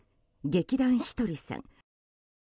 劇団ひとりさん。